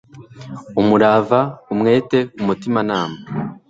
umurava, umwete umutimanama